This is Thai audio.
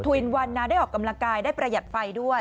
วินวันนาได้ออกกำลังกายได้ประหยัดไฟด้วย